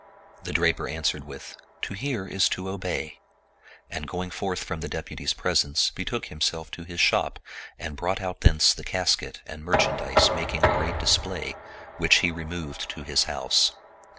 The draper an swered with, " To hear is to obey," and going forth from the Deputy's presence, betook himself to his shop and brought out thence the casket and merchandise making a great display, which he removed to his house.